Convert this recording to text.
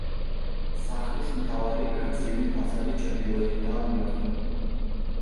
სახლის მთავარი გრძივი ფასადი ჩრდილოეთითაა მიმართული.